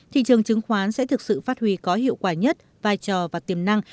thị trường chứng khoán sẽ thực sự phát huy có hiệu quả nhất vai trò và tiềm năng